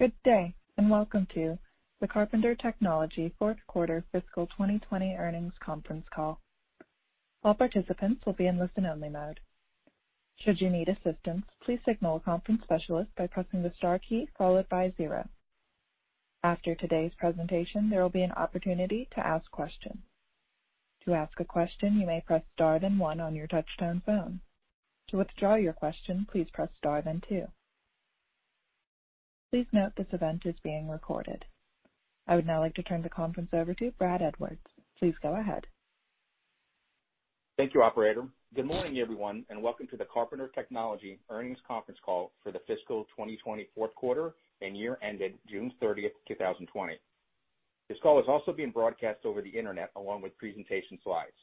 Good day, and welcome to the Carpenter Technology fourth quarter fiscal 2020 earnings conference call. All participants will be in listen-only mode. Should you need assistance, please signal a conference specialist by pressing the star key followed by zero. After today's presentation, there will be an opportunity to ask questions. To ask a question, you may press star then one on your touchtone phone. To withdraw your question, please press star then two. Please note this event is being recorded. I would now like to turn the conference over to Brad Edwards. Please go ahead. Thank you, operator. Good morning, everyone, and welcome to the Carpenter Technology earnings conference call for the fiscal 2020 fourth quarter and year ended June 30, 2020. This call is also being broadcast over the internet along with presentation slides.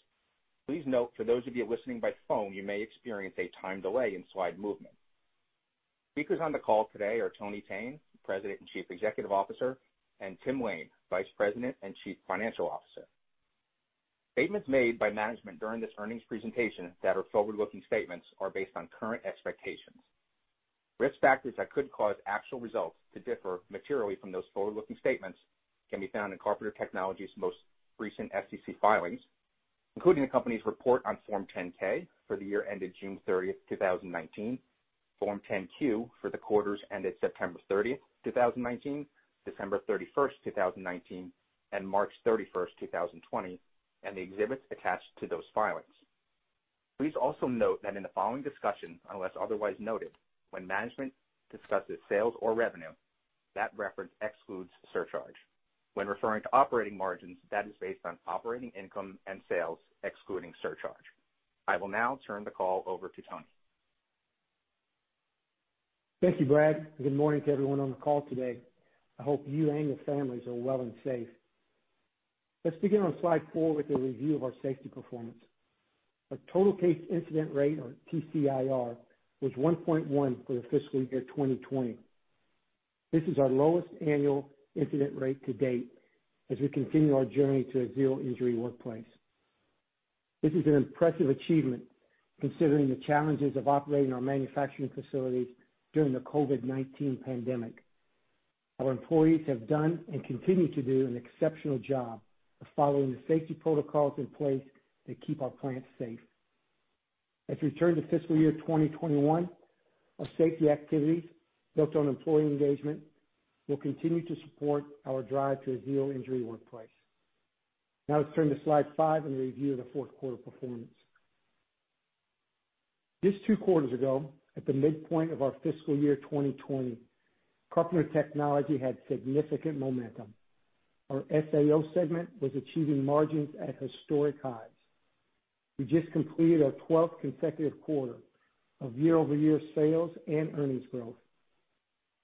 Please note for those of you listening by phone, you may experience a time delay in slide movement. Speakers on the call today are Tony Thene, President and Chief Executive Officer, and Tim Lain, Vice President and Chief Financial Officer. Statements made by management during this earnings presentation that are forward-looking statements are based on current expectations. Risk factors that could cause actual results to differ materially from those forward-looking statements can be found in Carpenter Technology's most recent SEC filings, including the company's report on Form 10-K for the year ended June 30, 2019, Form 10-Q for the quarters ended September 30, 2019, December 31, 2019, and March 31, 2020, and the exhibits attached to those filings. Please also note that in the following discussion, unless otherwise noted, when management discusses sales or revenue, that reference excludes surcharge. When referring to operating margins, that is based on operating income and sales excluding surcharge. I will now turn the call over to Tony. Thank you, Brad. Good morning to everyone on the call today. I hope you and your families are well and safe. Let's begin on slide four with a review of our safety performance. Our total case incident rate, or TCIR, was 1.1 for the fiscal year 2020. This is our lowest annual incident rate to date as we continue our journey to a zero-injury workplace. This is an impressive achievement considering the challenges of operating our manufacturing facilities during the COVID-19 pandemic. Our employees have done and continue to do an exceptional job of following the safety protocols in place to keep our plants safe. As we turn to fiscal year 2021, our safety activities built on employee engagement will continue to support our drive to a zero-injury workplace. Let's turn to slide five and a review of the fourth quarter performance. Just two quarters ago, at the midpoint of our fiscal year 2020, Carpenter Technology had significant momentum. Our SAO segment was achieving margins at historic highs. We just completed our 12th consecutive quarter of year-over-year sales and earnings growth.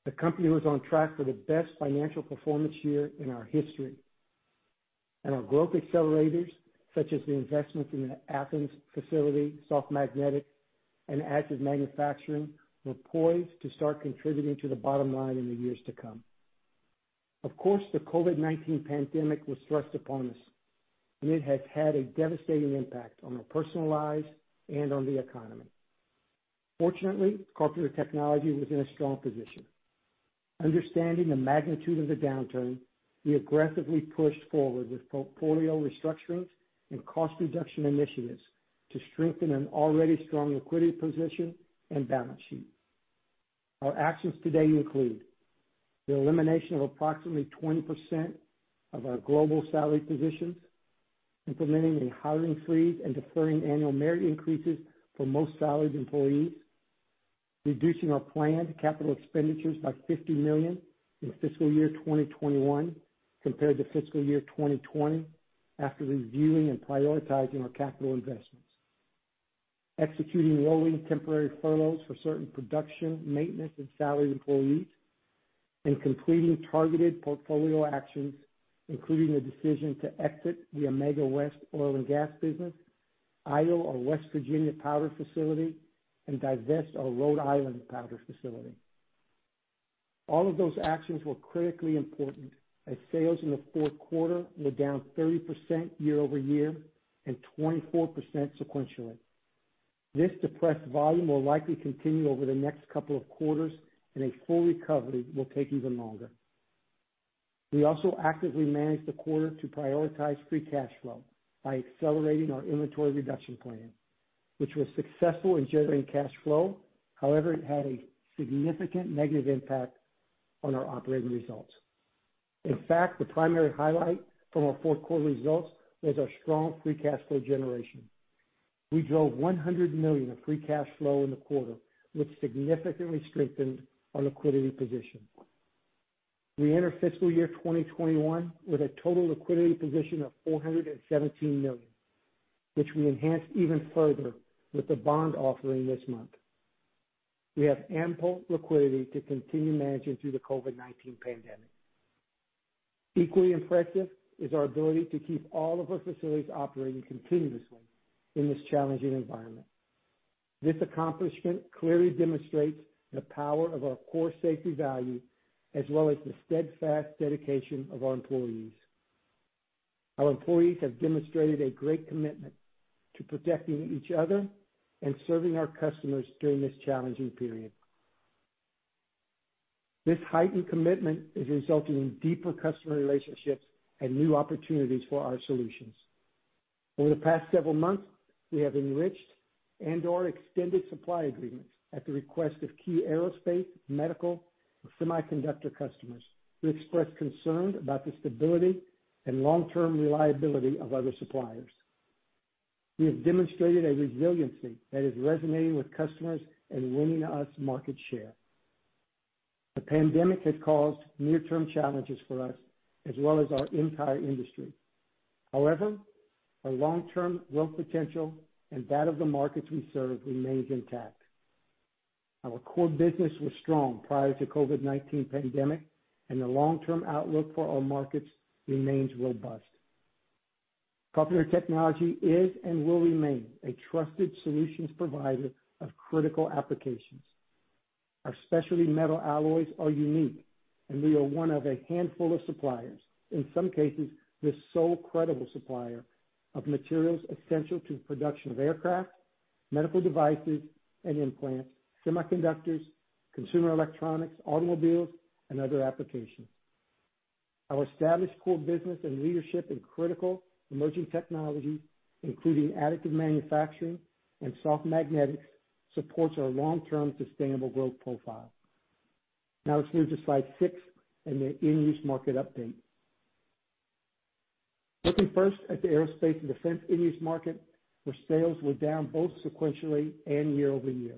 The company was on track for the best financial performance year in our history. Our growth accelerators, such as the investments in the Athens facility, soft magnetics, and additive manufacturing, were poised to start contributing to the bottom line in the years to come. Of course, the COVID-19 pandemic was thrust upon us, and it has had a devastating impact on our personal lives and on the economy. Fortunately, Carpenter Technology was in a strong position. Understanding the magnitude of the downturn, we aggressively pushed forward with portfolio restructurings and cost reduction initiatives to strengthen an already strong liquidity position and balance sheet. Our actions today include the elimination of approximately 20% of our global salary positions, implementing a hiring freeze and deferring annual merit increases for most salaried employees, reducing our planned capital expenditures by $50 million in fiscal year 2021 compared to fiscal year 2020 after reviewing and prioritizing our capital investments. Executing rolling temporary furloughs for certain production, maintenance, and salaried employees, and completing targeted portfolio actions, including the decision to exit the Amega West oil and gas business, idle our West Virginia powder facility, and divest our Rhode Island powder facility. All of those actions were critically important as sales in the fourth quarter were down 30% year-over-year and 24% sequentially. This depressed volume will likely continue over the next couple of quarters, and a full recovery will take even longer. We also actively managed the quarter to prioritize free cash flow by accelerating our inventory reduction plan, which was successful in generating cash flow. It had a significant negative impact on our operating results. In fact, the primary highlight from our fourth quarter results was our strong free cash flow generation. We drove $100 million of free cash flow in the quarter, which significantly strengthened our liquidity position. We enter fiscal year 2021 with a total liquidity position of $417 million, which we enhanced even further with the bond offering this month. We have ample liquidity to continue managing through the COVID-19 pandemic. Equally impressive is our ability to keep all of our facilities operating continuously in this challenging environment. This accomplishment clearly demonstrates the power of our core safety value, as well as the steadfast dedication of our employees. Our employees have demonstrated a great commitment to protecting each other and serving our customers during this challenging period. This heightened commitment is resulting in deeper customer relationships and new opportunities for our solutions. Over the past several months, we have enriched and/or extended supply agreements at the request of key aerospace, medical, and semiconductor customers who expressed concern about the stability and long-term reliability of other suppliers. We have demonstrated a resiliency that is resonating with customers and winning us market share. The pandemic has caused near-term challenges for us, as well as our entire industry. However, our long-term growth potential and that of the markets we serve remains intact. Our core business was strong prior to COVID-19 pandemic, and the long-term outlook for our markets remains robust. Carpenter Technology is and will remain a trusted solutions provider of critical applications. Our specialty metal alloys are unique, and we are one of a handful of suppliers, in some cases, the sole credible supplier of materials essential to the production of aircraft, medical devices and implants, semiconductors, consumer electronics, automobiles, and other applications. Our established core business and leadership in critical emerging technologies, including additive manufacturing and soft magnetics, supports our long-term sustainable growth profile. Now let's move to slide six and the end-use market update. Looking first at the aerospace and defense end-use market, where sales were down both sequentially and year-over-year.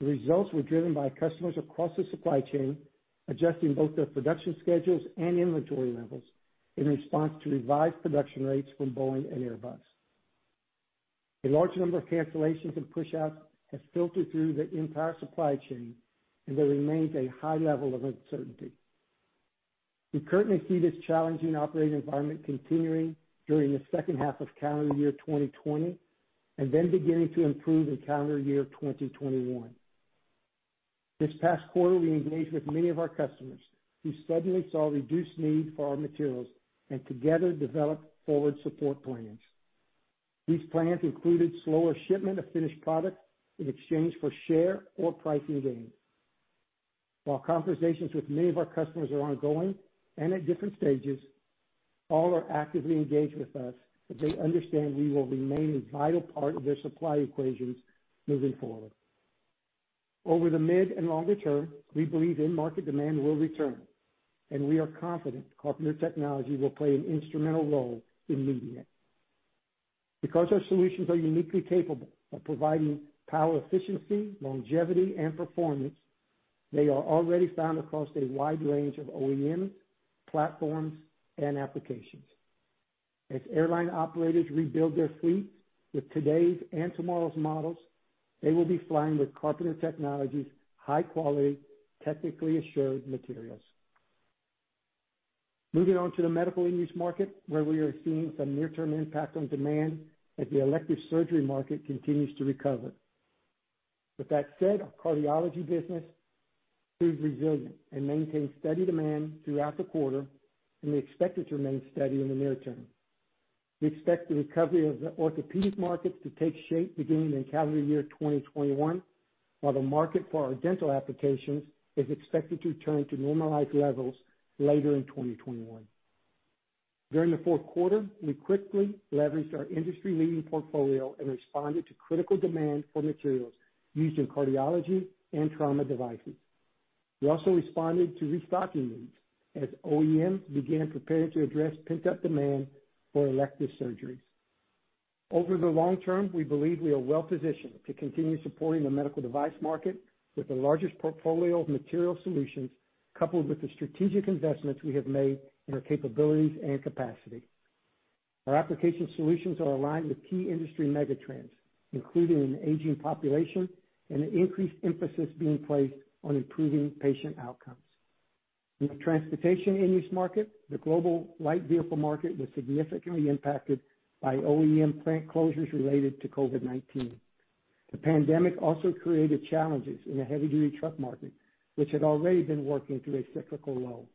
The results were driven by customers across the supply chain, adjusting both their production schedules and inventory levels in response to revised production rates from Boeing and Airbus. A large number of cancellations and pushouts have filtered through the entire supply chain, and there remains a high level of uncertainty. We currently see this challenging operating environment continuing during the second half of calendar year 2020, and then beginning to improve in calendar year 2021. This past quarter, we engaged with many of our customers who suddenly saw reduced need for our materials and together developed forward support plans. These plans included slower shipment of finished product in exchange for share or pricing gains. While conversations with many of our customers are ongoing and at different stages, all are actively engaged with us, as they understand we will remain a vital part of their supply equations moving forward. Over the mid and longer term, we believe end market demand will return, and we are confident Carpenter Technology will play an instrumental role in meeting it. Because our solutions are uniquely capable of providing power efficiency, longevity, and performance, they are already found across a wide range of OEMs, platforms, and applications. As airline operators rebuild their fleets with today's and tomorrow's models, they will be flying with Carpenter Technology's high-quality, technically assured materials. Moving on to the medical end-use market, where we are seeing some near-term impact on demand as the elective surgery market continues to recover. With that said, our cardiology business proved resilient and maintained steady demand throughout the quarter, and we expect it to remain steady in the near term. We expect the recovery of the orthopedic markets to take shape beginning in calendar year 2021, while the market for our dental applications is expected to return to normalized levels later in 2021. During the fourth quarter, we quickly leveraged our industry-leading portfolio and responded to critical demand for materials used in cardiology and trauma devices. We also responded to restocking needs as OEMs began preparing to address pent-up demand for elective surgeries. Over the long term, we believe we are well-positioned to continue supporting the medical device market with the largest portfolio of material solutions, coupled with the strategic investments we have made in our capabilities and capacity. Our application solutions are aligned with key industry mega trends, including an aging population and an increased emphasis being placed on improving patient outcomes. In the transportation end-use market, the global light vehicle market was significantly impacted by OEM plant closures related to COVID-19. The pandemic also created challenges in the heavy-duty truck market, which had already been working through a cyclical low.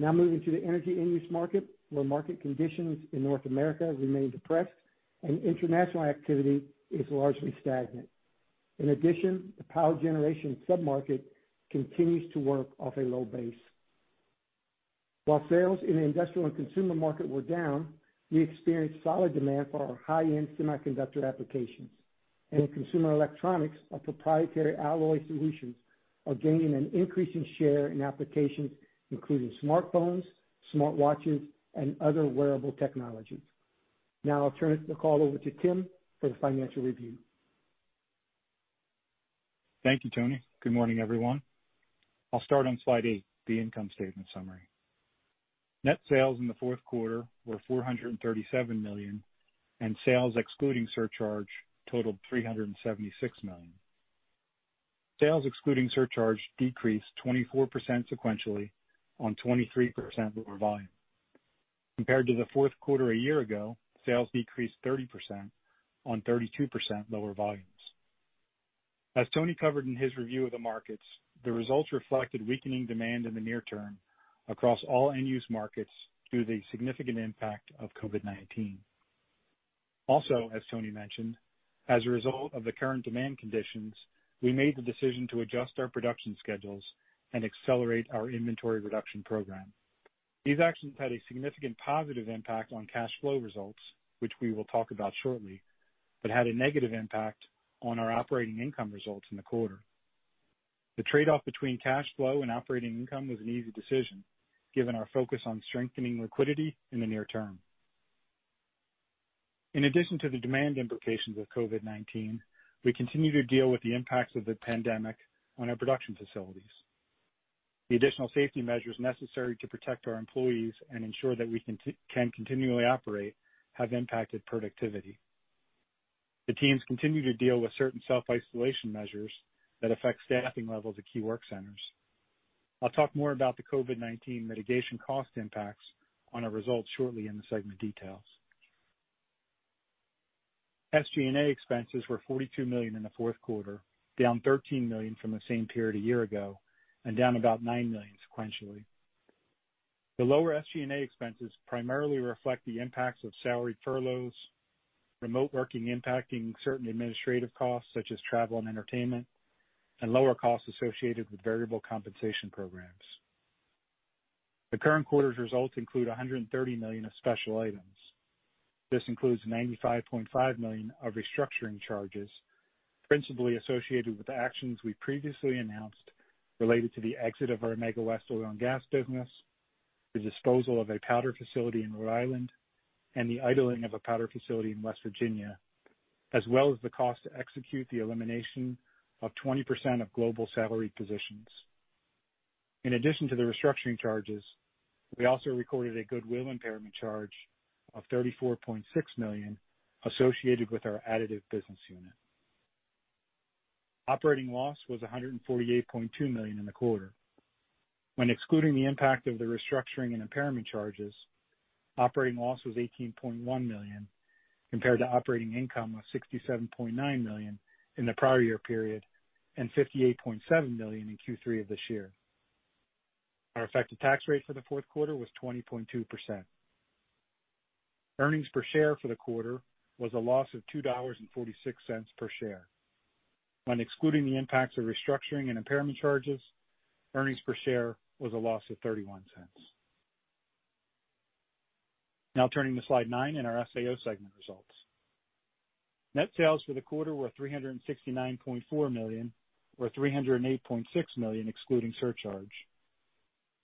Moving to the energy end-use market, where market conditions in North America remain depressed and international activity is largely stagnant. In addition, the power generation sub-market continues to work off a low base. While sales in the industrial and consumer market were down, we experienced solid demand for our high-end semiconductor applications. In consumer electronics, our proprietary alloy solutions are gaining an increasing share in applications including smartphones, smartwatches, and other wearable technologies. I'll turn the call over to Tim for the financial review. Thank you, Tony. Good morning, everyone. I'll start on slide eight, the income statement summary. Net sales in the fourth quarter were $437 million, and sales excluding surcharge totaled $376 million. Sales excluding surcharge decreased 24% sequentially on 23% lower volume. Compared to the fourth quarter a year ago, sales decreased 30% on 32% lower volumes. As Tony covered in his review of the markets, the results reflected weakening demand in the near term across all end-use markets due to the significant impact of COVID-19. Also, as Tony mentioned, as a result of the current demand conditions, we made the decision to adjust our production schedules and accelerate our inventory reduction program. These actions had a significant positive impact on cash flow results, which we will talk about shortly, but had a negative impact on our operating income results in the quarter. The trade-off between cash flow and operating income was an easy decision, given our focus on strengthening liquidity in the near term. In addition to the demand implications of COVID-19, we continue to deal with the impacts of the pandemic on our production facilities. The additional safety measures necessary to protect our employees and ensure that we can continually operate have impacted productivity. The teams continue to deal with certain self-isolation measures that affect staffing levels at key work centers. I'll talk more about the COVID-19 mitigation cost impacts on our results shortly in the segment details. SG&A expenses were $42 million in the 4th quarter, down $13 million from the same period a year ago, and down about $9 million sequentially. The lower SG&A expenses primarily reflect the impacts of salary furloughs, remote working impacting certain administrative costs such as travel and entertainment, and lower costs associated with variable compensation programs. The current quarter's results include $130 million of special items. This includes $95.5 million of restructuring charges, principally associated with the actions we previously announced related to the exit of our Amega West oil and gas business, the disposal of a powder facility in Rhode Island, and the idling of a powder facility in West Virginia, as well as the cost to execute the elimination of 20% of global salaried positions. In addition to the restructuring charges, we also recorded a goodwill impairment charge of $34.6 million associated with our additive business unit. Operating loss was $148.2 million in the quarter. When excluding the impact of the restructuring and impairment charges, operating loss was $18.1 million compared to operating income of $67.9 million in the prior year period and $58.7 million in Q3 of this year. Our effective tax rate for the fourth quarter was 20.2%. Earnings per share for the quarter was a loss of $2.46 per share. When excluding the impacts of restructuring and impairment charges, earnings per share was a loss of $0.31. Now turning to slide nine and our SAO segment results. Net sales for the quarter were $369.4 million, or $308.6 million excluding surcharge.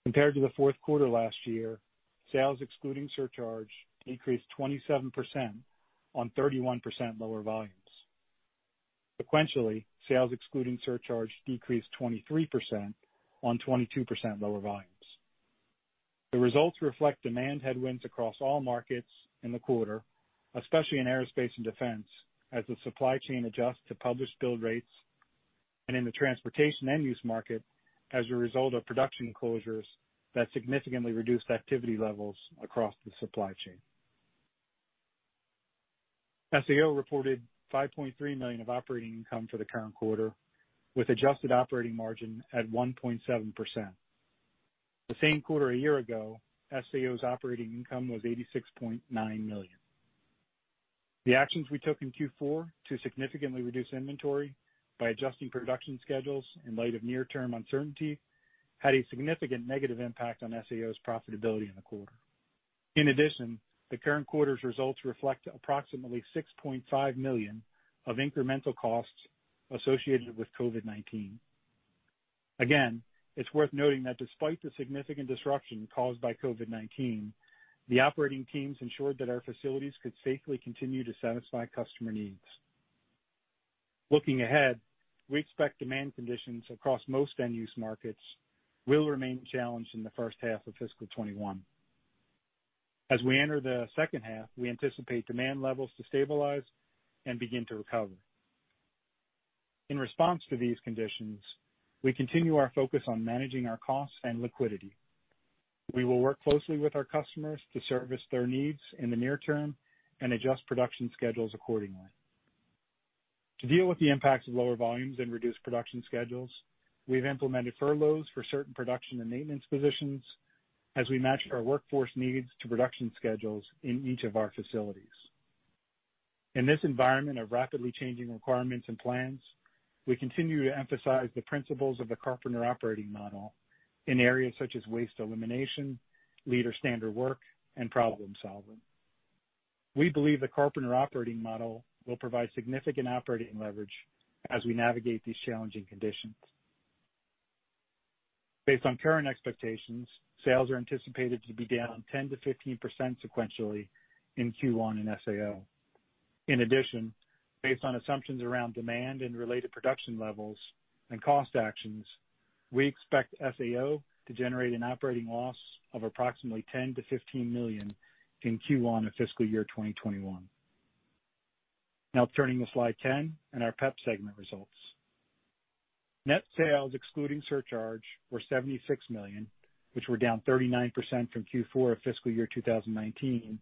Compared to the fourth quarter last year, sales excluding surcharge increased 27% on 31% lower volumes. Sequentially, sales excluding surcharge decreased 23% on 22% lower volumes. The results reflect demand headwinds across all markets in the quarter, especially in aerospace and defense, as the supply chain adjusts to published build rates and in the transportation end-use market as a result of production closures that significantly reduced activity levels across the supply chain. SAO reported $5.3 million of operating income for the current quarter, with adjusted operating margin at 1.7%. The same quarter a year ago, SAO's operating income was $86.9 million. The actions we took in Q4 to significantly reduce inventory by adjusting production schedules in light of near-term uncertainty had a significant negative impact on SAO's profitability in the quarter. In addition, the current quarter's results reflect approximately $6.5 million of incremental costs associated with COVID-19. Again, it's worth noting that despite the significant disruption caused by COVID-19, the operating teams ensured that our facilities could safely continue to satisfy customer needs. Looking ahead, we expect demand conditions across most end-use markets will remain challenged in the first half of fiscal 2021. As we enter the second half, we anticipate demand levels to stabilize and begin to recover. In response to these conditions, we continue our focus on managing our costs and liquidity. We will work closely with our customers to service their needs in the near term and adjust production schedules accordingly. To deal with the impacts of lower volumes and reduced production schedules, we've implemented furloughs for certain production and maintenance positions as we match our workforce needs to production schedules in each of our facilities. In this environment of rapidly changing requirements and plans, we continue to emphasize the principles of the Carpenter operating model in areas such as waste elimination, leader standard work, and problem-solving. We believe the Carpenter operating model will provide significant operating leverage as we navigate these challenging conditions. Based on current expectations, sales are anticipated to be down 10%-15% sequentially in Q1 in SAO. In addition, based on assumptions around demand and related production levels and cost actions, we expect SAO to generate an operating loss of approximately $10 million-$15 million in Q1 of fiscal year 2021. Turning to slide 10 and our PEP segment results. Net sales, excluding surcharge, were $76 million, which were down 39% from Q4 of fiscal year 2019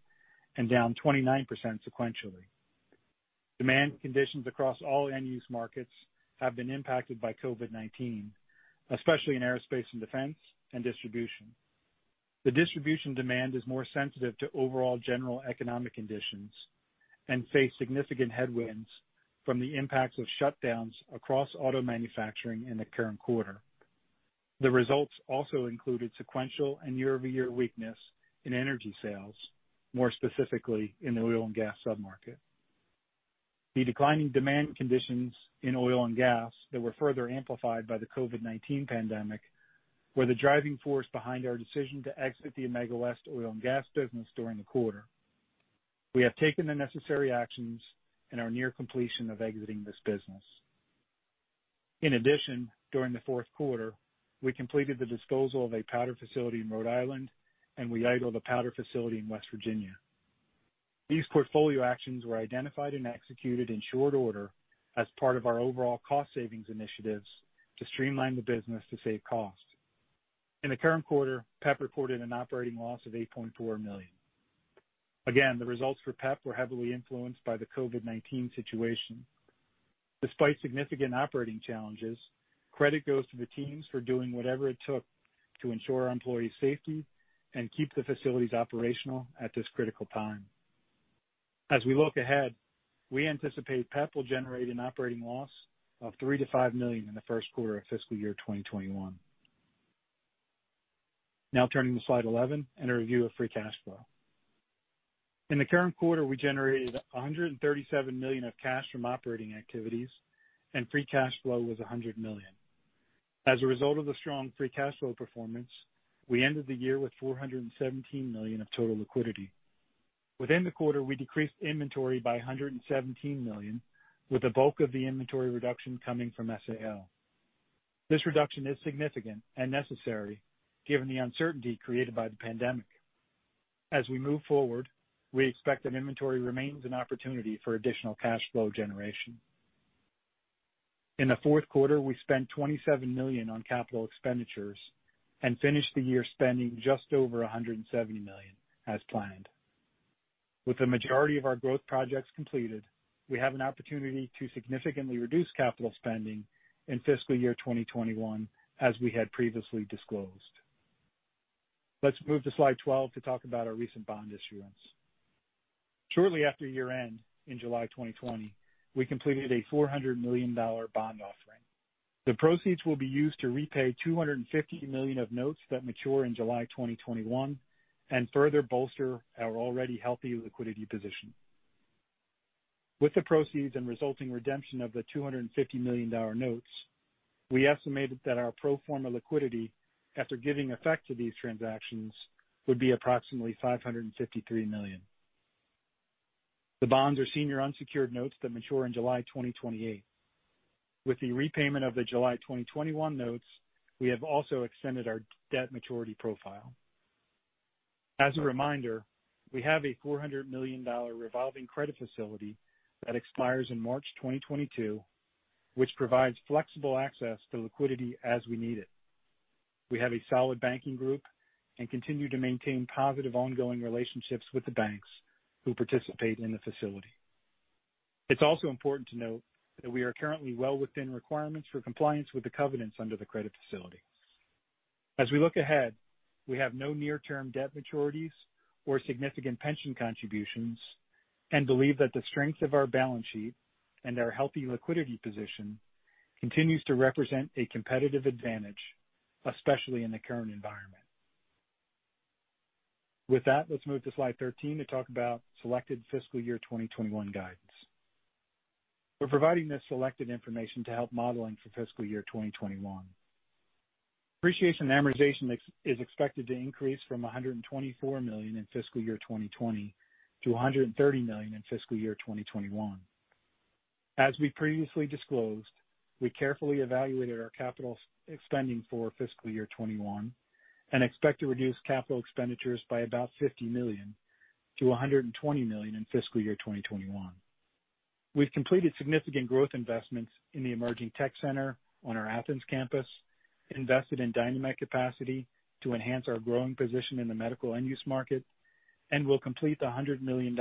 and down 29% sequentially. Demand conditions across all end-use markets have been impacted by COVID-19, especially in aerospace and defense and distribution. The distribution demand is more sensitive to overall general economic conditions and faced significant headwinds from the impacts of shutdowns across auto manufacturing in the current quarter. The results also included sequential and year-over-year weakness in energy sales, more specifically in the oil and gas sub-market. The declining demand conditions in oil and gas that were further amplified by the COVID-19 pandemic were the driving force behind our decision to exit the Amega West oil and gas business during the quarter. We have taken the necessary actions and are near completion of exiting this business. In addition, during the fourth quarter, we completed the disposal of a powder facility in Rhode Island, and we idled a powder facility in West Virginia. These portfolio actions were identified and executed in short order as part of our overall cost savings initiatives to streamline the business to save cost. In the current quarter, PEP reported an operating loss of $8.4 million. Again, the results for PEP were heavily influenced by the COVID-19 situation. Despite significant operating challenges, credit goes to the teams for doing whatever it took to ensure our employees' safety and keep the facilities operational at this critical time. As we look ahead, we anticipate PEP will generate an operating loss of $3 million-$5 million in the first quarter of fiscal year 2021. Now turning to slide 11 and a review of free cash flow. In the current quarter, we generated $137 million of cash from operating activities, and free cash flow was $100 million. As a result of the strong free cash flow performance, we ended the year with $417 million of total liquidity. Within the quarter, we decreased inventory by $117 million, with the bulk of the inventory reduction coming from SAO. This reduction is significant and necessary given the uncertainty created by the pandemic. As we move forward, we expect that inventory remains an opportunity for additional cash flow generation. In the fourth quarter, we spent $27 million on capital expenditures and finished the year spending just over $170 million as planned. With the majority of our growth projects completed, we have an opportunity to significantly reduce capital spending in fiscal year 2021 as we had previously disclosed. Let's move to slide 12 to talk about our recent bond issuance. Shortly after year-end, in July 2020, we completed a $400 million bond offering. The proceeds will be used to repay $250 million of notes that mature in July 2021 and further bolster our already healthy liquidity position. With the proceeds and resulting redemption of the $250 million notes, we estimated that our pro forma liquidity, after giving effect to these transactions, would be approximately $553 million. The bonds are senior unsecured notes that mature in July 2028. With the repayment of the July 2021 notes, we have also extended our debt maturity profile. As a reminder, we have a $400 million revolving credit facility that expires in March 2022, which provides flexible access to liquidity as we need it. We have a solid banking group and continue to maintain positive ongoing relationships with the banks who participate in the facility. It's also important to note that we are currently well within requirements for compliance with the covenants under the credit facility. As we look ahead, we have no near-term debt maturities or significant pension contributions and believe that the strength of our balance sheet and our healthy liquidity position continues to represent a competitive advantage, especially in the current environment. With that, let's move to slide 13 to talk about selected fiscal year 2021 guidance. We're providing this selected information to help modeling for fiscal year 2021. Depreciation and amortization is expected to increase from $124 million in fiscal year 2020 to $130 million in fiscal year 2021. As we previously disclosed, we carefully evaluated our capital spending for fiscal year 2021 and expect to reduce capital expenditures by about $50 million to $120 million in fiscal year 2021. We've completed significant growth investments in the Emerging Tech Center on our Athens campus, invested in Dynamet capacity to enhance our growing position in the medical end-use market, and will complete the $100 million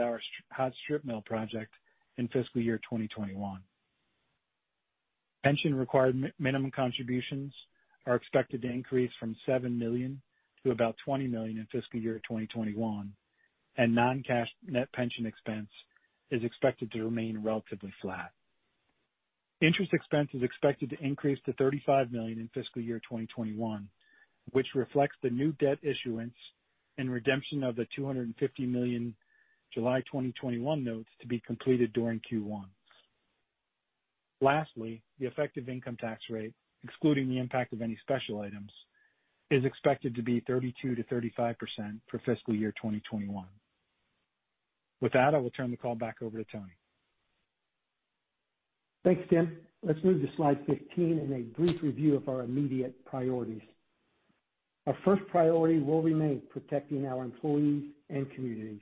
hot strip mill project in fiscal year 2021. Pension required minimum contributions are expected to increase from $7 million to about $20 million in fiscal year 2021, and non-cash net pension expense is expected to remain relatively flat. Interest expense is expected to increase to $35 million in fiscal year 2021, which reflects the new debt issuance and redemption of the $250 million July 2021 notes to be completed during Q1. Lastly, the effective income tax rate, excluding the impact of any special items, is expected to be 32%-35% for fiscal year 2021. With that, I will turn the call back over to Tony. Thanks, Tim. Let's move to slide 15 and a brief review of our immediate priorities. Our first priority will remain protecting our employees and communities.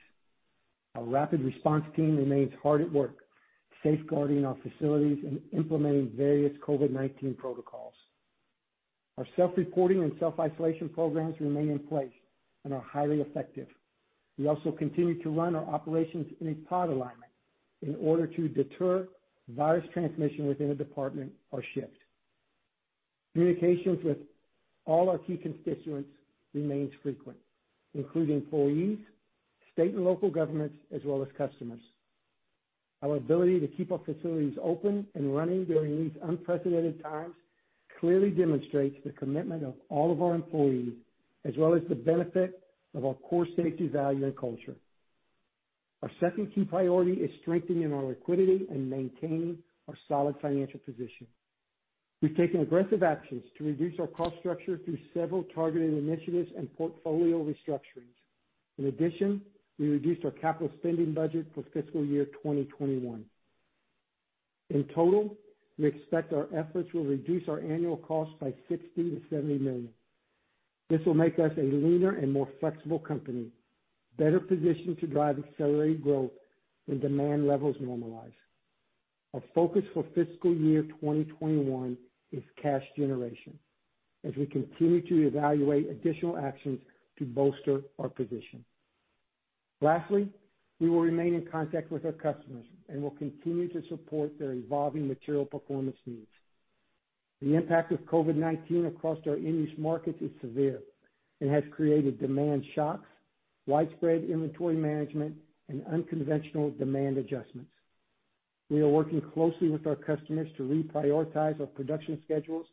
Our rapid response team remains hard at work safeguarding our facilities and implementing various COVID-19 protocols. Our self-reporting and self-isolation programs remain in place and are highly effective. We also continue to run our operations in a pod alignment in order to deter virus transmission within a department or shift. Communications with all our key constituents remains frequent, including employees, state and local governments, as well as customers. Our ability to keep our facilities open and running during these unprecedented times clearly demonstrates the commitment of all of our employees, as well as the benefit of our core safety value and culture. Our second key priority is strengthening our liquidity and maintaining our solid financial position. We've taken aggressive actions to reduce our cost structure through several targeted initiatives and portfolio restructurings. In addition, we reduced our capital spending budget for fiscal year 2021. In total, we expect our efforts will reduce our annual costs by $60 million-$70 million. This will make us a leaner and more flexible company, better positioned to drive accelerated growth when demand levels normalize. Our focus for fiscal year 2021 is cash generation as we continue to evaluate additional actions to bolster our position. Lastly, we will remain in contact with our customers and will continue to support their evolving material performance needs. The impact of COVID-19 across our end-use markets is severe and has created demand shocks, widespread inventory management, and unconventional demand adjustments. We are working closely with our customers to reprioritize our production schedules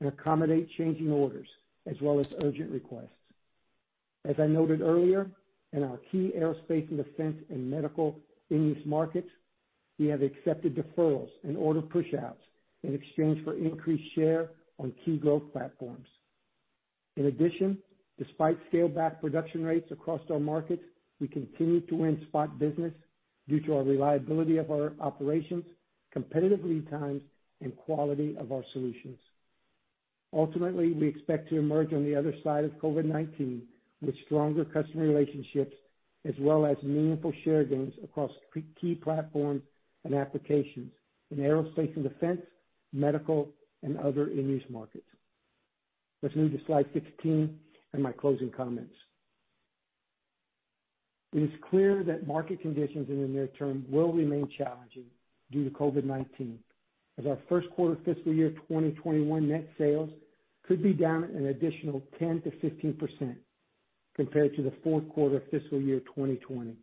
and accommodate changing orders as well as urgent requests. As I noted earlier, in our key aerospace and defense and medical end-use markets, we have accepted deferrals and order pushouts in exchange for increased share on key growth platforms. In addition, despite scaled-back production rates across our markets, we continue to win spot business due to our reliability of our operations, competitive lead times, and quality of our solutions. Ultimately, we expect to emerge on the other side of COVID-19 with stronger customer relationships as well as meaningful share gains across key platforms and applications in aerospace and defense, medical, and other end-use markets. Let's move to slide 16 and my closing comments. It is clear that market conditions in the near term will remain challenging due to COVID-19, as our first quarter fiscal year 2021 net sales could be down an additional 10%-15% compared to the fourth quarter of fiscal year 2020.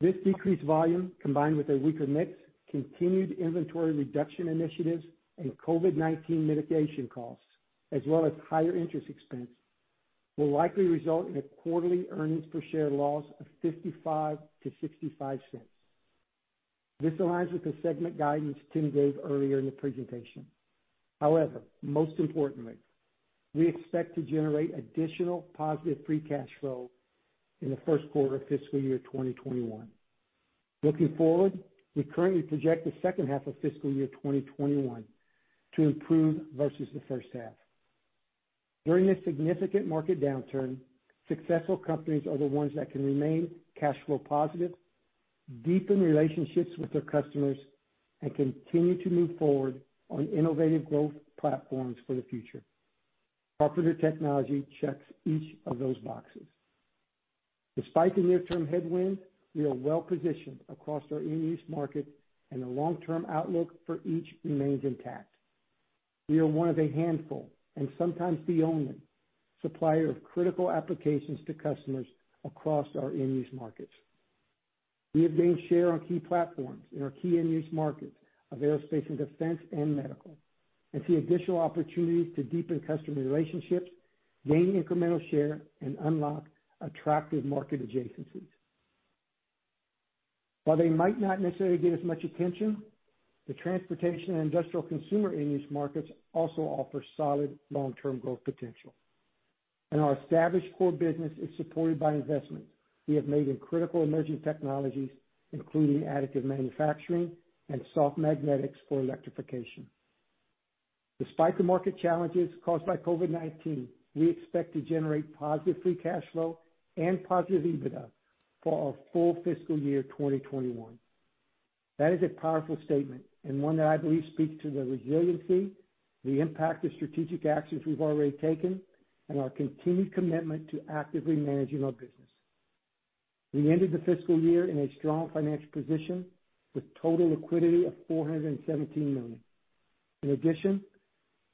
This decreased volume, combined with a weaker mix, continued inventory reduction initiatives, and COVID-19 mitigation costs, as well as higher interest expense, will likely result in a quarterly earnings per share loss of $0.55-$0.65. This aligns with the segment guidance Tim gave earlier in the presentation. However, most importantly, we expect to generate additional positive free cash flow in the first quarter of fiscal year 2021. Looking forward, we currently project the second half of fiscal year 2021 to improve versus the first half. During this significant market downturn, successful companies are the ones that can remain cash flow positive, deepen relationships with their customers, and continue to move forward on innovative growth platforms for the future. Carpenter Technology checks each of those boxes. Despite the near-term headwind, we are well-positioned across our end-use markets, and the long-term outlook for each remains intact. We are one of a handful, and sometimes the only, supplier of critical applications to customers across our end-use markets. We have gained share on key platforms in our key end-use markets of aerospace and defense and medical and see additional opportunities to deepen customer relationships, gain incremental share, and unlock attractive market adjacencies. While they might not necessarily get as much attention, the transportation and industrial consumer end-use markets also offer solid long-term growth potential. Our established core business is supported by investments we have made in critical emerging technologies, including additive manufacturing and soft magnetics for electrification. Despite the market challenges caused by COVID-19, we expect to generate positive free cash flow and positive EBITDA for our full fiscal year 2021. That is a powerful statement and one that I believe speaks to the resiliency, the impact of strategic actions we've already taken, and our continued commitment to actively managing our business. We ended the fiscal year in a strong financial position with total liquidity of $417 million.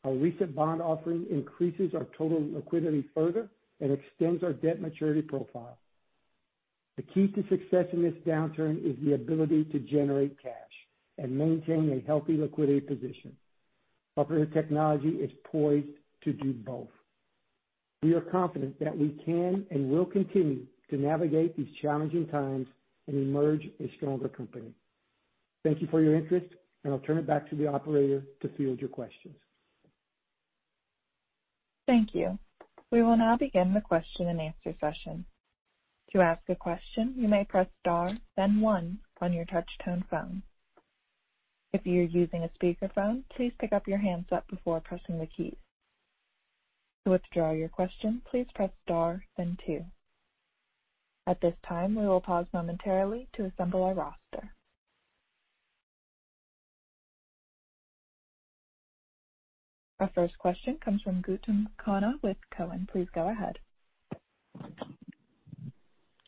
Our recent bond offering increases our total liquidity further and extends our debt maturity profile. The key to success in this downturn is the ability to generate cash and maintain a healthy liquidity position. Carpenter Technology is poised to do both. We are confident that we can and will continue to navigate these challenging times and emerge a stronger company. Thank you for your interest, and I'll turn it back to the operator to field your questions. Thank you. We will now begin the question-and-answer session. To ask a question, you may press star then one on your touch-tone phone. If you're using a speakerphone, please pick up your handset before pressing the key. To withdraw your question, please press star then two. At this time, we will pause momentarily to assemble our roster. Our first question comes from Gautam Khanna with Cowen. Please go ahead.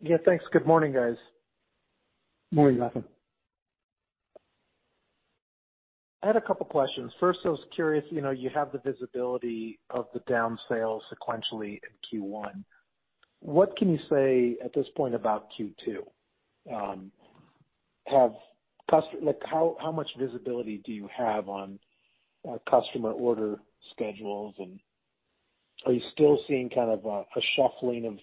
Yeah, thanks. Good morning, guys. Morning, Gautam. I had a couple questions. First, I was curious, you have the visibility of the down sales sequentially in Q1. What can you say at this point about Q2? How much visibility do you have on customer order schedules, and are you still seeing a shuffling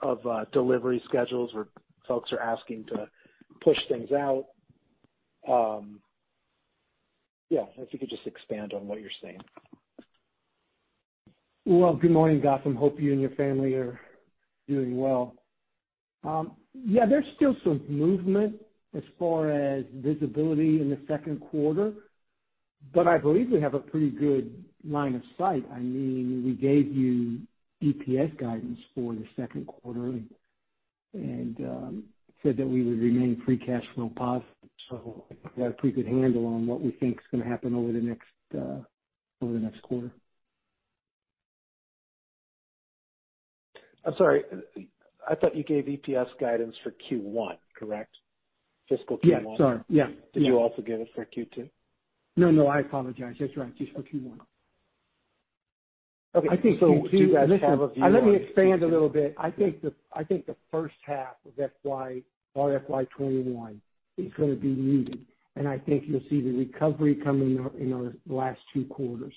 of delivery schedules where folks are asking to push things out? Yeah, if you could just expand on what you're saying. Well, good morning, Gautam. Hope you and your family are doing well. There's still some movement as far as visibility in the second quarter, but I believe we have a pretty good line of sight. We gave you EPS guidance for the second quarter early and said that we would remain free cash flow positive. I think we have a pretty good handle on what we think is going to happen over the next quarter. I'm sorry, I thought you gave EPS guidance for Q1, correct? Fiscal Q1. Yeah, sorry. Yeah. Did you also give it for Q2? No, I apologize. That's right. Just for Q1. Okay. Let me expand a little bit. I think the first half of FY 2021 is going to be muted, I think you'll see the recovery come in our last two quarters.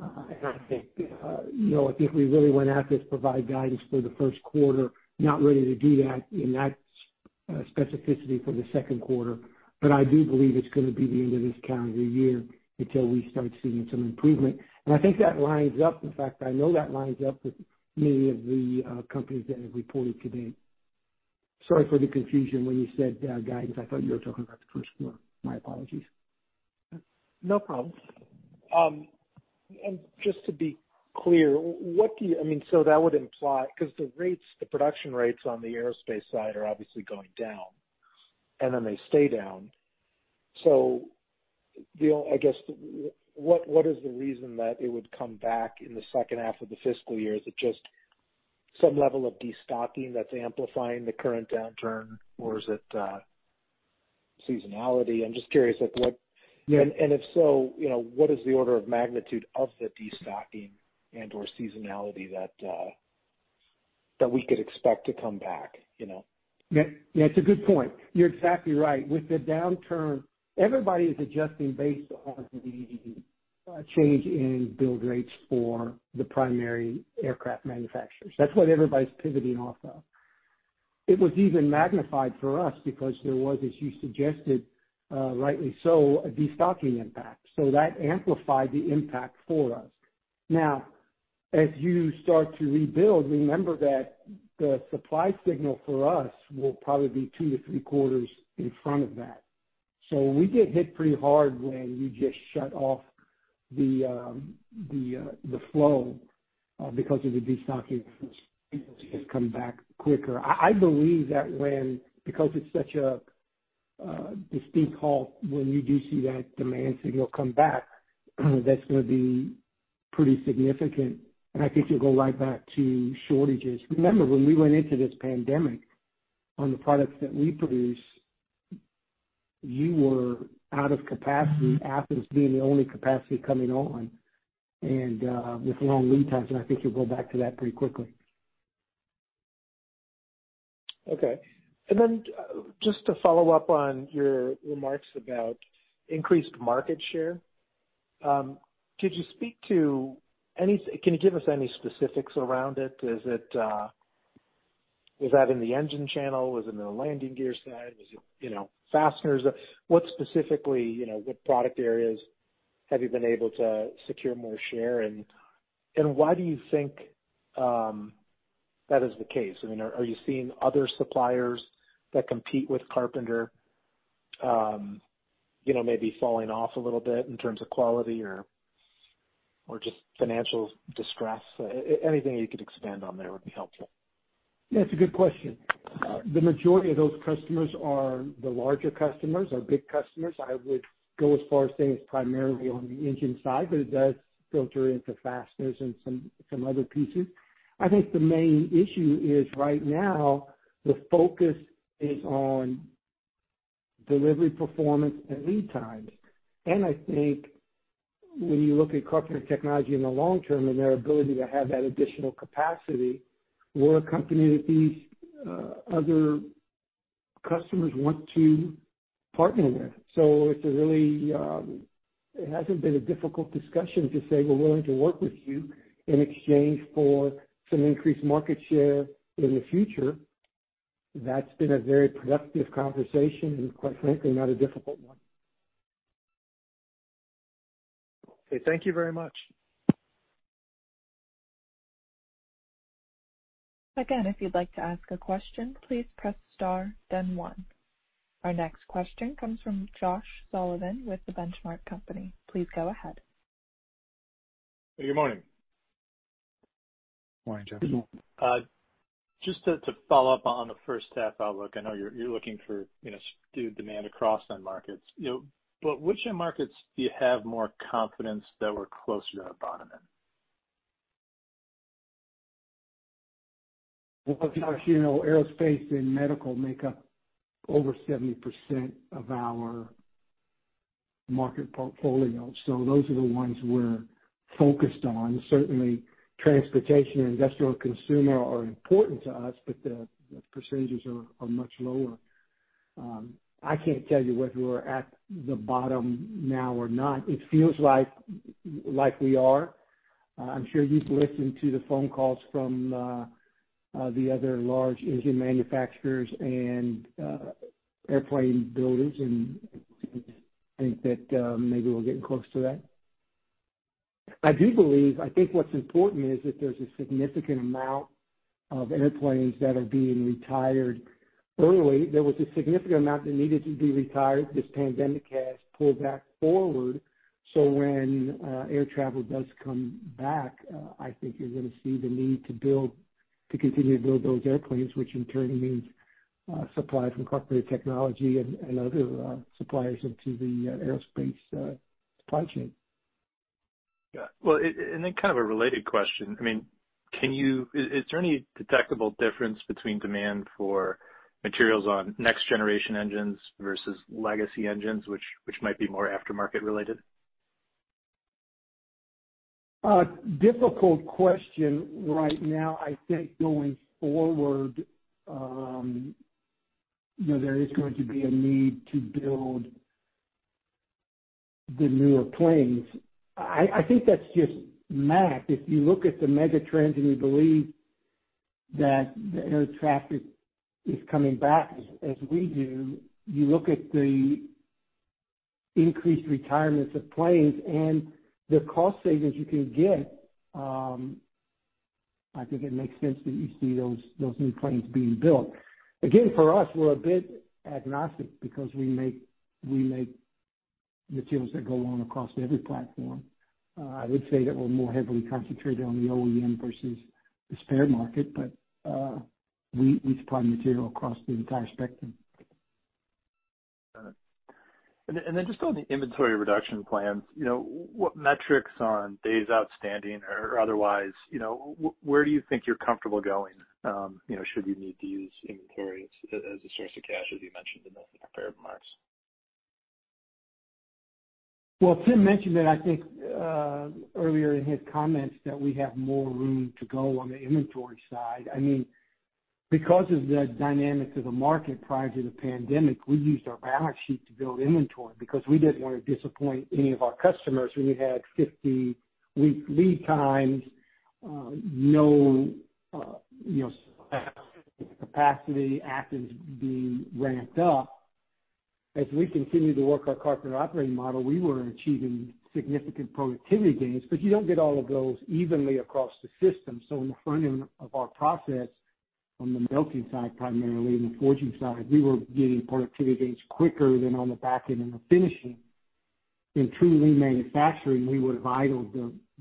I think if we really went out to provide guidance for the first quarter, not ready to do that in that specificity for the second quarter. I do believe it's going to be the end of this calendar year until we start seeing some improvement. I think that lines up, in fact, I know that lines up with many of the companies that have reported to date. Sorry for the confusion. When you said guidance, I thought you were talking about the first quarter. My apologies. No problem. Just to be clear, because the production rates on the aerospace side are obviously going down, and then they stay down. I guess, what is the reason that it would come back in the second half of the fiscal year? Is it just some level of destocking that's amplifying the current downturn, or is it seasonality? I'm just curious. Yeah. If so, what is the order of magnitude of the destocking and/or seasonality that we could expect to come back? It's a good point. You're exactly right. With the downturn, everybody is adjusting based on the change in build rates for the primary aircraft manufacturers. That's what everybody's pivoting off of. It was even magnified for us because there was, as you suggested, rightly so, a destocking impact. That amplified the impact for us. Now, as you start to rebuild, remember that the supply signal for us will probably be two to three quarters in front of that. We get hit pretty hard when you just shut off the flow because of the destocking. It has come back quicker. I believe that when, because it's such a distinct halt when you do see that demand signal come back, that's going to be pretty significant, and I think you'll go right back to shortages. Remember when we went into this pandemic on the products that we produce, you were out of capacity, Athens being the only capacity coming on, with long lead times, I think you'll go back to that pretty quickly. Okay. Just to follow up on your remarks about increased market share. Can you give us any specifics around it? Is that in the engine channel? Is it in the landing gear side? Is it fasteners? What specifically, what product areas have you been able to secure more share in? Why do you think that is the case? Are you seeing other suppliers that compete with Carpenter maybe falling off a little bit in terms of quality or just financial distress? Anything you could expand on there would be helpful. That's a good question. The majority of those customers are the larger customers, our big customers. I would go as far as saying it's primarily on the engine side, but it does filter into fasteners and some other pieces. I think the main issue is right now the focus is on delivery performance and lead times. I think when you look at Carpenter Technology in the long term and their ability to have that additional capacity, we're a company that these other customers want to partner with. It hasn't been a difficult discussion to say we're willing to work with you in exchange for some increased market share in the future. That's been a very productive conversation and quite frankly, not a difficult one. Okay. Thank you very much. Again, if you'd like to ask a question, please press star then one. Our next question comes from Josh Sullivan with The Benchmark Company. Please go ahead. Good morning. Morning, Josh. Just to follow up on the first half outlook, I know you're looking for subdued demand across end markets. Which end markets do you have more confidence that we're closer to a bottom in? Well, look, Josh, aerospace and medical make up over 70% of our market portfolio. Those are the ones we're focused on. Certainly, transportation, industrial, and consumer are important to us, but the percentages are much lower. I can't tell you whether we're at the bottom now or not. It feels like we are. I'm sure you've listened to the phone calls from the other large engine manufacturers and airplane builders, and I think that maybe we're getting close to that. I do believe, I think what's important is that there's a significant amount of airplanes that are being retired early. There was a significant amount that needed to be retired. This pandemic has pulled that forward. When air travel does come back, I think you're going to see the need to continue to build those airplanes, which in turn means supply from Carpenter Technology and other suppliers into the aerospace supply chain. Got it. Well, kind of a related question. Is there any detectable difference between demand for materials on next-generation engines versus legacy engines, which might be more aftermarket related? A difficult question right now. I think going forward, there is going to be a need to build the newer planes. I think that's just math. If you look at the mega trends, and you believe that the air traffic is coming back as we do, you look at the increased retirements of planes and the cost savings you can get, I think it makes sense that you see those new planes being built. Again, for us, we're a bit agnostic because we make materials that go on across every platform. I would say that we're more heavily concentrated on the OEM versus the spare market, but we supply material across the entire spectrum. Got it. Just on the inventory reduction plans, what metrics on days outstanding or otherwise, where do you think you're comfortable going? Should we need to use inventories as a source of cash as you mentioned in the prepared remarks? Tim mentioned that, I think, earlier in his comments that we have more room to go on the inventory side. Because of the dynamics of the market prior to the pandemic, we used our balance sheet to build inventory because we didn't want to disappoint any of our customers. We had 50-week lead times, no capacity, Athens being ramped up. As we continued to work our Carpenter operating model, we were achieving significant productivity gains. You don't get all of those evenly across the system. In the front end of our process, on the melting side primarily and the forging side, we were getting productivity gains quicker than on the back end in the finishing. In true lean manufacturing, we would have idled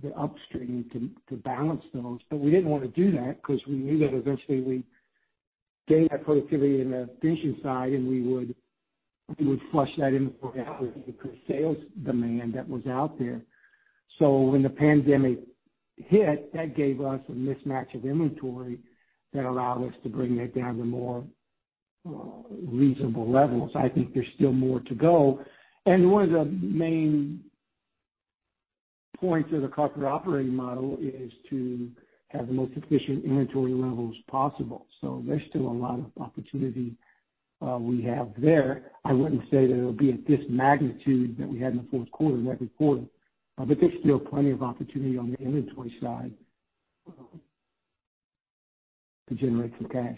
the upstream to balance those, but we didn't want to do that because we knew that eventually we gain that productivity in the finishing side, and we would flush that inventory out because sales demand that was out there. When the pandemic hit, that gave us a mismatch of inventory that allowed us to bring that down to more reasonable levels. I think there's still more to go. One of the main points of the Carpenter operating model is to have the most efficient inventory levels possible. There's still a lot of opportunity we have there. I wouldn't say that it'll be at this magnitude that we had in the fourth quarter, that report. There's still plenty of opportunity on the inventory side to generate some cash.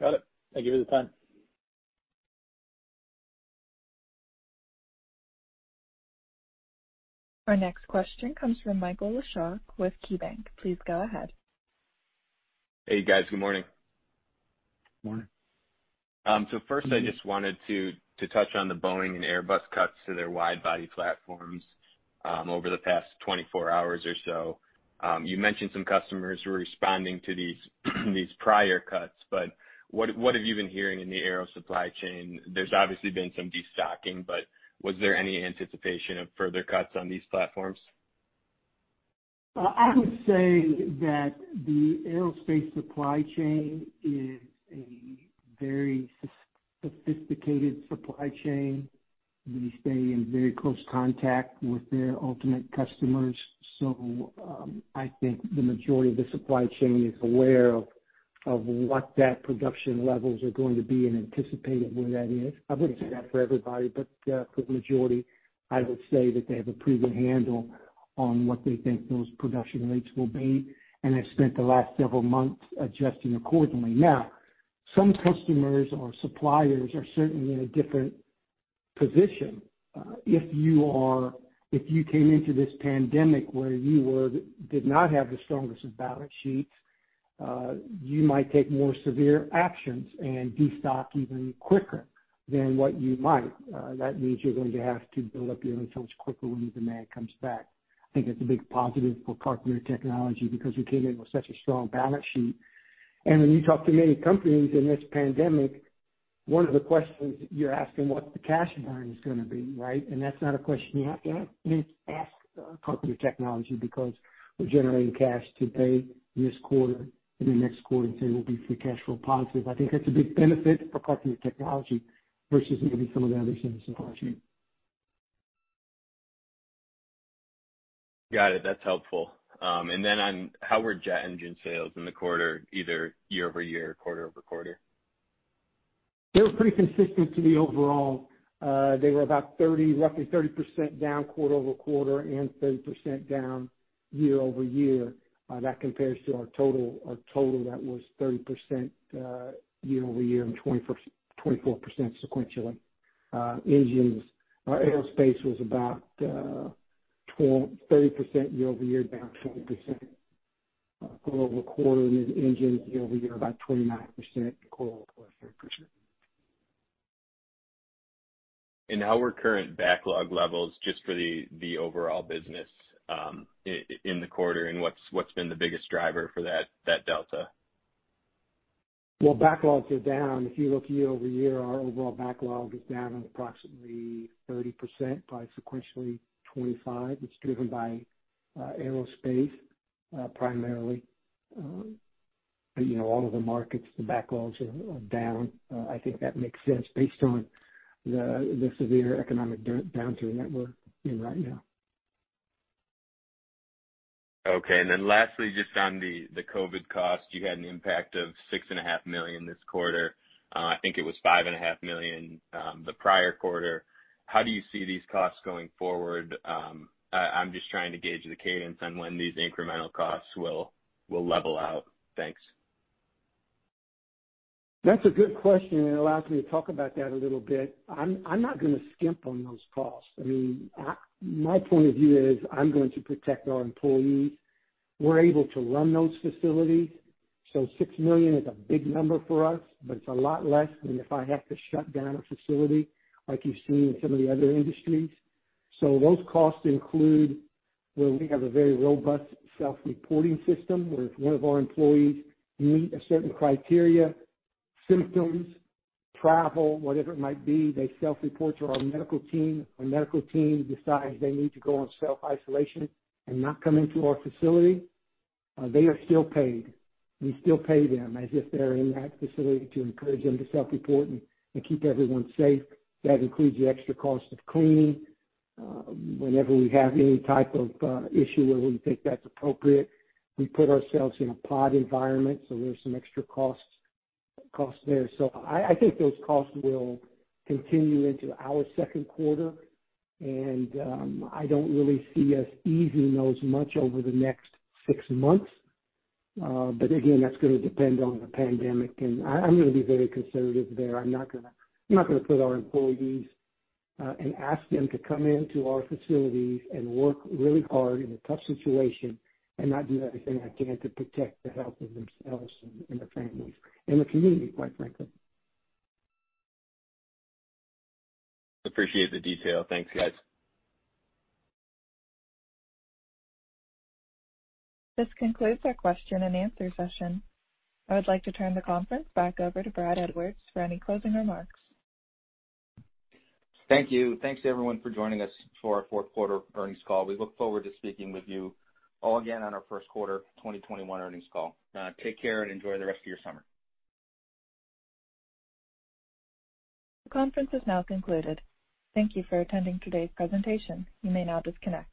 Got it. Thank you for the time. Our next question comes from Michael Leshock with KeyBanc. Please go ahead. Hey, guys. Good morning. Morning. First, I just wanted to touch on the Boeing and Airbus cuts to their wide-body platforms over the past 24 hours or so. You mentioned some customers were responding to these prior cuts, what have you been hearing in the aero supply chain? There's obviously been some destocking, was there any anticipation of further cuts on these platforms? I would say that the aerospace supply chain is a very sophisticated supply chain. We stay in very close contact with their ultimate customers. I think the majority of the supply chain is aware of what that production levels are going to be and anticipate where that is. I wouldn't say that for everybody, but for the majority, I would say that they have a pretty good handle on what they think those production rates will be and have spent the last several months adjusting accordingly. Some customers or suppliers are certainly in a different position. If you came into this pandemic where you did not have the strongest of balance sheets, you might take more severe actions and destock even quicker than what you might. That means you're going to have to build up your inventory quicker when the demand comes back. I think that's a big positive for Carpenter Technology because we came in with such a strong balance sheet. When you talk to many companies in this pandemic, one of the questions you're asking, what the cash burn is going to be, right? That's not a question you have to ask Carpenter Technology because we're generating cash to date this quarter. In the next quarter, too, we'll be free cash flow positive. I think that's a big benefit for Carpenter Technology versus maybe. Got it. That's helpful. On how were jet engine sales in the quarter, either year-over-year or quarter-over-quarter? They were pretty consistent to the overall. They were about roughly 30% down quarter-over-quarter and 30% down year-over-year. That compares to our total that was 30% year-over-year and 24% sequentially. Engines. Our aerospace was about 30% year-over-year, down 20% quarter-over-quarter. Engines year-over-year, about 29%, quarter-over-quarter, 30%. How are current backlog levels just for the overall business in the quarter and what's been the biggest driver for that delta? Well, backlogs are down. If you look year-over-year, our overall backlog is down approximately 30%, by sequentially 25. It's driven by aerospace, primarily. All of the markets, the backlogs are down. I think that makes sense based on the severe economic downturn that we're in right now. Okay. Lastly, just on the COVID cost, you had an impact of $6.5 Million this quarter. I think it was $5.5 Million the prior quarter. How do you see these costs going forward? I'm just trying to gauge the cadence on when these incremental costs will level out. Thanks. That's a good question, and it allows me to talk about that a little bit. I'm not going to skimp on those costs. My point of view is I'm going to protect our employees. We're able to run those facilities. $6 million is a big number for us, but it's a lot less than if I have to shut down a facility like you've seen in some of the other industries. Those costs include where we have a very robust self-reporting system, where if one of our employees meet a certain criteria, symptoms, travel, whatever it might be, they self-report to our medical team. Our medical team decides they need to go on self-isolation and not come into our facility. They are still paid. We still pay them as if they're in that facility to encourage them to self-report and keep everyone safe. That includes the extra cost of cleaning. Whenever we have any type of issue where we think that's appropriate, we put ourselves in a pod environment, so there's some extra costs there. I think those costs will continue into our second quarter, and I don't really see us easing those much over the next six months. Again, that's going to depend on the pandemic, and I'm going to be very conservative there. I'm not going to put our employees and ask them to come into our facilities and work really hard in a tough situation and not do everything I can to protect the health of themselves and their families and the community, quite frankly. Appreciate the detail. Thanks, guys. This concludes our question-and-answer session. I would like to turn the conference back over to Brad Edwards for any closing remarks. Thank you. Thanks to everyone for joining us for our fourth quarter earnings call. We look forward to speaking with you all again on our first quarter 2021 earnings call. Take care and enjoy the rest of your summer. The conference is now concluded. Thank you for attending today's presentation. You may now disconnect.